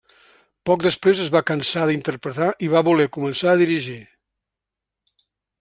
Poc després es va cansar d'interpretar i va voler començar a dirigir.